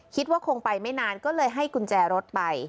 คิดว่าคงไปไม่นานก็เลยให้กุญแจรถไป